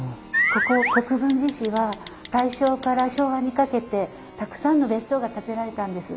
ここ国分寺市は大正から昭和にかけてたくさんの別荘が建てられたんです。